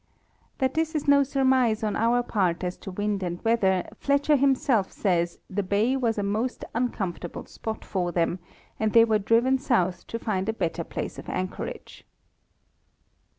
That this is no surmise on our part as to wind and weather, Fletcher himself says the bay was a most uncomfortable spot for them, and they were driven south to find a better place of anchorage.